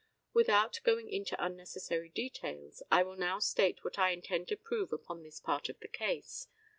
Without going into unnecessary details, I will now state what I intend to prove upon this part of the case.